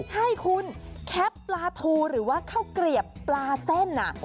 ใช่คุณแคปปลาทูหรือว่าข้าวเกลียบปลาเส้น